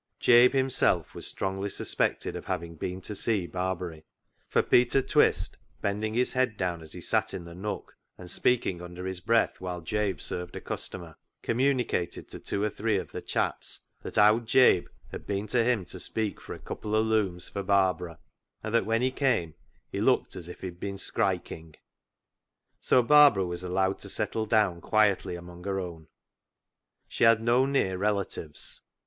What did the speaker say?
Jabe himself was strongly sus pected of having been to see Barbary, for Peter Twist, bending his head down as he sat AN ATONEMENT 15 in the nook and speaking under his breath whilst Jabe served a customer, communicated to two or three of the " chaps " that owd Jabe had been to him to speak for a " couple o' looms " for Barbara, and that when he came he " looked as if he'd been skriking." So Barbara was allowed to settle down quietly among her own. She had no near relatives.